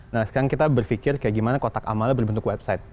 nah sekarang kita berpikir kayak gimana kotak amalnya berbentuk website